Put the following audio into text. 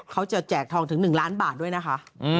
แจกทองถึง๑ล้านบาทด้วยนะคะ